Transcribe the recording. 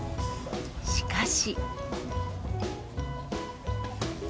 しかし。